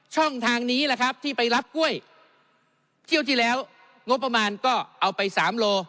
ช่องทางนี้แหละครับที่ไปรับกล้วยเที่ยวที่แล้วงบประมาณก็เอาไปสามโล